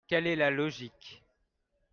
Quelle est la logique ?